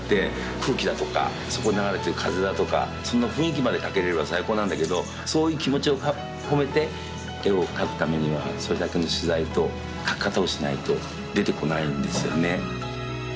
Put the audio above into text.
空気だとかそこに流れてる風だとかその雰囲気まで描ければ最高なんだけどそういう気持ちを込めて絵を描くためにはそれだけの取材と描き方をしないと出てこないんですよね。